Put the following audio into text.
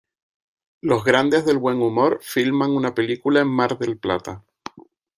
Los Grandes del Buen Humor filman una película en Mar del Plata.